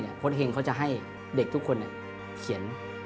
โค้ดเฮงเขาจะให้เด็กทุกคนเขียน